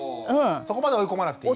そこまで追い込まなくていい？